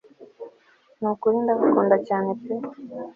nukuri ndagukunda cyane pe